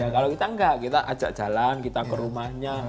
kalau kita enggak kita ajak jalan kita ke rumahnya